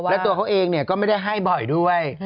แล้วตัวเขาเองก็ไม่ได้ให้บ่อยด้วย